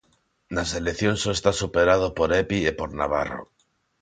Na selección só está superado por Epi e por Navarro.